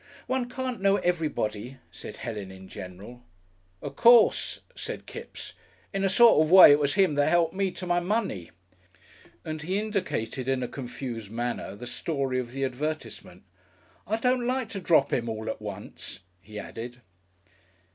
"One can't know everybody," said Helen in general. "Of course," said Kipps; "in a sort of way it was him that helped me to my money." And he indicated in a confused manner the story of the advertisement. "I don't like to drop 'im all at once," he added.